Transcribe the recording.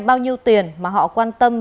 bao nhiêu tiền mà họ quan tâm